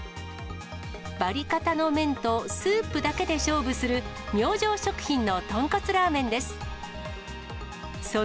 バリカタの麺とスープだけで勝負する、明星食品の豚骨ラーメンです。